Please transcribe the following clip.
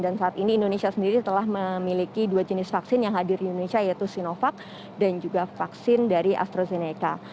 dan saat ini indonesia sendiri telah memiliki dua jenis vaksin yang hadir di indonesia yaitu sinovac dan juga vaksin dari astrazeneca